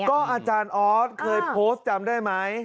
ก็อาจารย์ออสเคยโพสต์จำได้ไหม